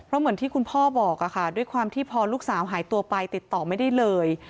เพราะเหมือนที่คุณพ่อบอกค่ะด้วยความที่พอลูกสาวหายตัวไปติดต่อไม่ได้เลย